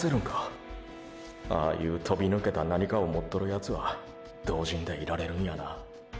ああいう飛び抜けた何かをもっとるヤツは動じんでいられるんやな。